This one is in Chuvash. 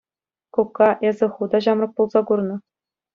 Кукка, эсӗ ху та ҫамрӑк пулса курнӑ.